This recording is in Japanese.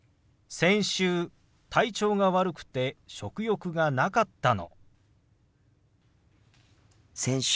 先週体調が悪くて食欲がなかったの。